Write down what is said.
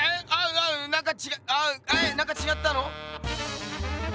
なんかちがったの？